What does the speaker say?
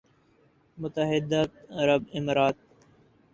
متحدہ عرب امارات